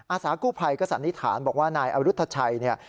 อาสากู้ภัยก็สันนิษฐานบอกว่านายอรุธชัยเนี่ย